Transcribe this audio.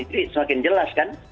jadi semakin jelas kan